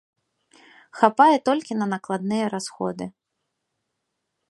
Хапае толькі на накладныя расходы.